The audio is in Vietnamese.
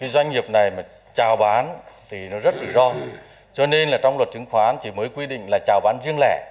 doanh nghiệp này mà trả bán thì nó rất rủi ro cho nên trong luật chứng khoán chỉ mới quy định là trả bán riêng lẻ